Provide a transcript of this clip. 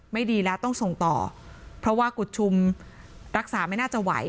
ไม่ดีแล้วต้องส่งต่อเพราะว่ากุฎชุมรักษาไม่น่าจะไหว